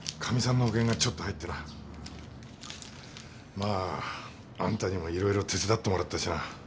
まああんたにもいろいろ手伝ってもらったしな。